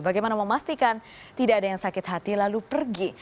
bagaimana memastikan tidak ada yang sakit hati lalu pergi